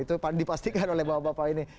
itu dipastikan oleh bapak bapak ini